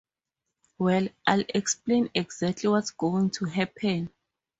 Well, I'll explain exactly what's going to happen.